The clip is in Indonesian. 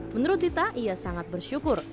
menurut tita ia sangat bersyukur